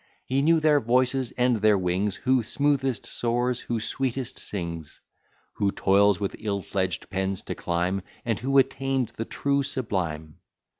He knew their voices, and their wings, Who smoothest soars, who sweetest sings; Who toils with ill fledged pens to climb, And who attain'd the true sublime.